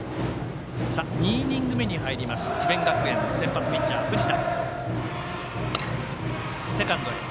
２イニング目に入ります智弁学園、先発ピッチャーの藤田。